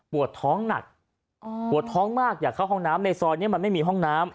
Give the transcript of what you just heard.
ปวดท้องหนักปวดท้องมากอยากเข้าห้องน้ำในซอยนี้มันไม่มีห้องน้ำ